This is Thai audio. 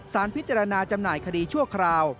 สารพิจารณาจำหน่ายคดีชั่วคราว